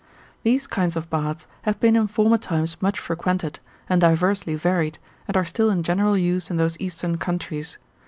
These kinds of baths have been in former times much frequented, and diversely varied, and are still in general use in those eastern countries.